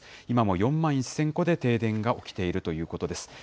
今も４万１０００戸で停電が起きているということです。